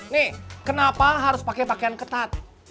nih kenapa harus pake pake yang ketat